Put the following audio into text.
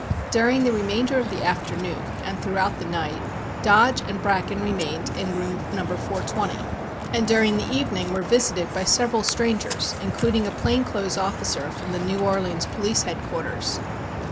During the remainder of the afternoon and throughout the night Dodge and Bracken remained in room Number 420, and during the evening were visited by several strangers, including a plain clothes officer from the New Orleans Police Head quarters.